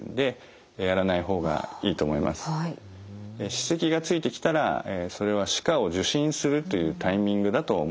歯石がついてきたらそれは歯科を受診するというタイミングだと思ってください。